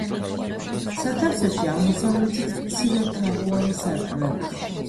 სათავსებში აღმოსავლეთით მცირე თაღოვანი სარკმლებია.